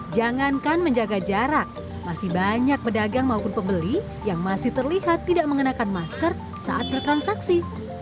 jangankan menjaga jarak masih banyak pedagang maupun pembeli yang masih terlihat tidak mengenakan masker saat bertransaksi